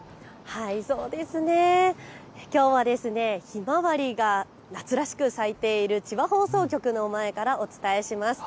きょうは、ひまわりが夏らしく咲いている千葉放送局の前からお伝えします。